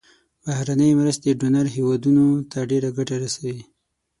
بهرنۍ مرستې ډونر هیوادونو ته ډیره ګټه رسوي.